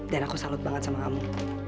dan aku salut banget sama kamu